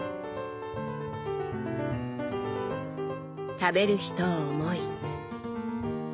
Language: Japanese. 食べる人を思い